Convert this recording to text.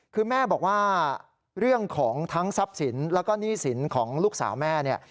คือแม่บอกว่าเรื่องของทั้งทรัพย์สินแล้วก็หนี้สินของลูกสาวแม่เนี่ย